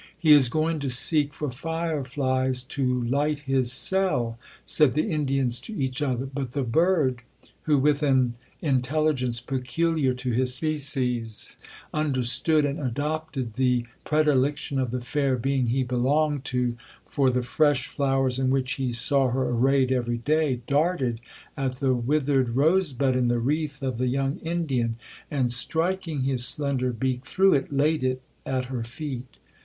'He is going to seek for fire flies to light his cell,'1 said the Indians to each other. But the bird, who, with an intelligence peculiar to his species, understood and adopted the predilection of the fair being he belonged to, for the fresh flowers in which he saw her arrayed every day, darted at the withered rose bud in the wreath of the young Indian; and, striking his slender beak through it, laid it at her feet.